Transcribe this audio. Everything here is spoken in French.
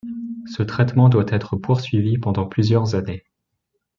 Ce traitement doit être poursuivi pendant plusieurs années.